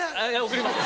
送ります。